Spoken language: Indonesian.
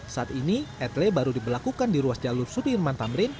saat ini etle baru diberlakukan di ruas jalur sudirman tamrin